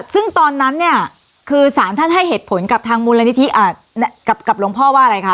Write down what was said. ซึ่งตอนนั้นเนี่ยคือสารท่านให้เหตุผลกับทางมูลนิธิกับหลวงพ่อว่าอะไรคะ